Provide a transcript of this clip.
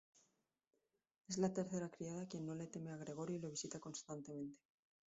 Es la tercera criada quien no le teme a Gregorio y lo visita constantemente.